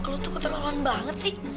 lo tuh keterlaluan banget sih